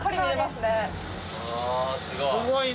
すごい。